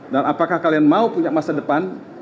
dan apakah kalian mau punya masa depan